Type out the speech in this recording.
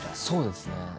そうですね。